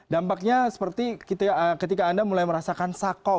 dampaknya seperti ketika anda mulai merasakan sako